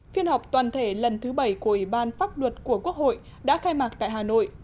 phiên họp toàn thể lần thứ bảy của ủy ban pháp luật của quốc hội đã khai mạc tại hà nội